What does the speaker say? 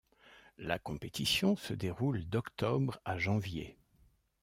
La compétition se déroule d’octobre à janvier.